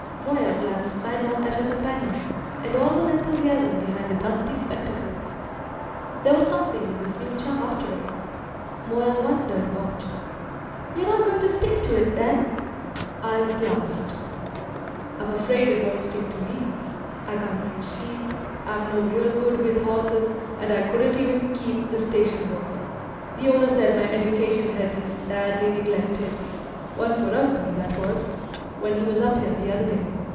Moya glanced sidelong at her companion, and all was enthusiasm behind the dusty spectacles. There was something in this new chum after all. Moya wondered what. "You're not going to stick to it, then?" Ives laughed. "I'm afraid it won't stick to me. I can't see sheep, I'm no real good with horses, and I couldn't even keep the station books; the owner said my education had been sadly neglected (one for Rugby, that was!) when he was up here the other day.